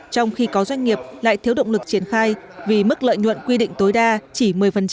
trong khi có doanh nghiệp lại thiếu động lực triển khai vì mức lợi nhuận quy định tối đa chỉ một mươi